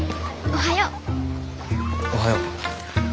おはよう。